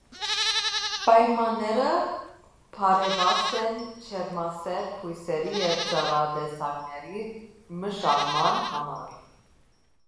Պայմանները բարենպաստ են ջերմասեր բույսերի և ծառատեսակների մշակման համար։